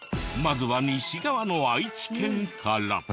まずは西側の愛知県から。